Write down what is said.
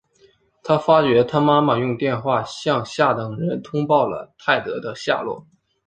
他发觉他妈妈用电话向下等人通报了泰德的下落。